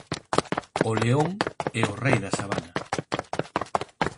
O león é o rei da sabana